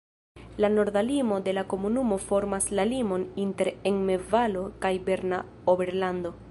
La norda limo de la komunumo formas la limon inter Emme-Valo kaj Berna Oberlando.